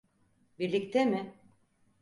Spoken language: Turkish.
Birlikte mi?